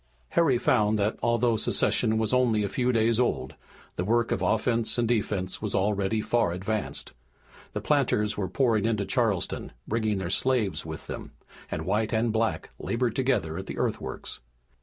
Harry found that, although secession was only a few days old, the work of offense and defense was already far advanced. The planters were pouring into Charleston, bringing their slaves with them, and white and black labored together at the earthworks.